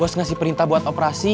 bos ngasih perintah buat operasi